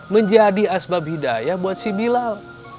menjadi asbab hidayah buat si bilal